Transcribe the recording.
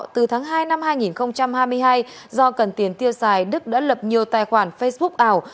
từ tháng hai năm hai nghìn hai mươi hai do cần tiền tiêu xài đức đã lập nhiều tài khoản facebook ảo